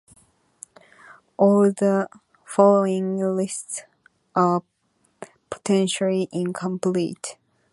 All the following lists are potentially incomplete.